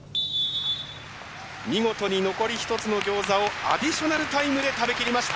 見事に残り一つのギョーザをアディショナルタイムで食べ切りました。